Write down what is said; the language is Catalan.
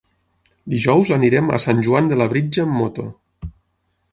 Dijous anirem a Sant Joan de Labritja amb moto.